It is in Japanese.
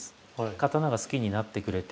刀が好きになってくれて。